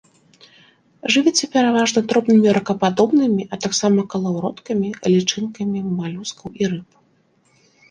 Жывіцца пераважна дробнымі ракападобнымі, а таксама калаўроткамі, лічынкамі малюскаў і рыб.